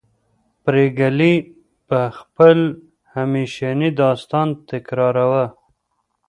پريګلې به خپل همیشنی داستان تکراروه